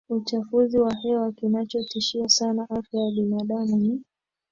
uchafuzi wa hewa kinachotishia sana afya ya binadamu ni